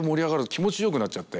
気持ちよくなっちゃって。